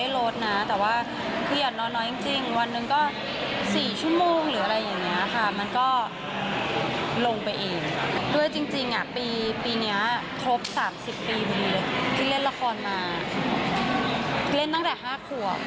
เราก็เล่นตั้งแต่๕ขวบ